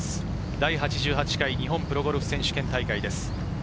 第８８回日本プロゴルフ選手権大会です。